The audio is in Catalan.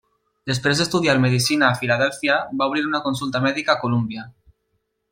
Després d'estudiar medicina a Filadèlfia, va obrir una consulta mèdica a Columbia.